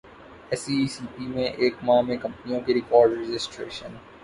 S E C P میں ایک ماہ میں کمپنیوں کی ریکارڈرجسٹریشن